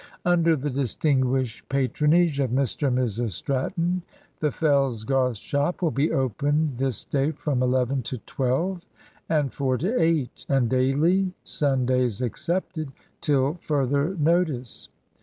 Under the distinguished patronage of Mr and Mrs Stratton. The Fellsgarth Shop will be opened this day from 11 to 12, And 4 To 8, and daily (sundays excepted) till further notice.